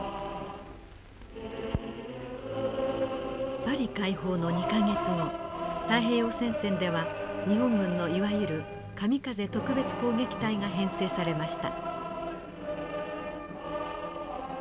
パリ解放の２か月後太平洋戦線では日本軍のいわゆる神風特別攻撃隊が編制されました。